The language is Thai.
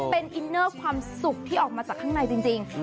เป็นอินเนอร์ความสุขที่ออกมาจากข้างในจริง